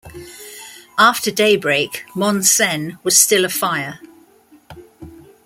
After daybreak "Monssen" was still afire.